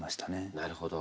なるほど。